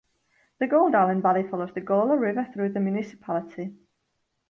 The Gauldalen valley follows the Gaula River through the municipality.